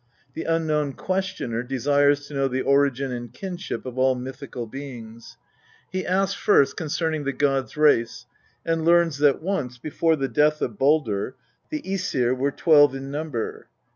The unknown questioner desires to know the origin and kinship of all mythical beings. He asks tirst concerning the god s race, and learns that once, before tne death of Baldr, the /Esir were twelve in number.